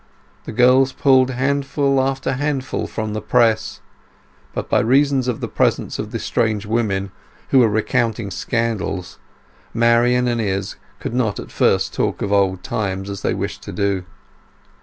The girls pulled handful after handful from the press; but by reason of the presence of the strange women, who were recounting scandals, Marian and Izz could not at first talk of old times as they wished to do.